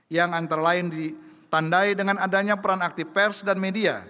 yang antara lain ditandai dengan adanya peran aktif pers dan media